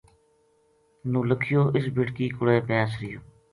نولکھیو اس بیٹکی کو ڑے بیس رہیو